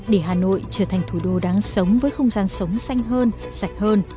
để hà nội trở thành thủ đô đáng sống với không gian sống xanh hơn sạch hơn